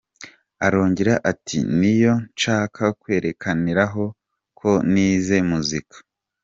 Arongera ati “Niyo nshaka kwerekaniraho ko nize muzika.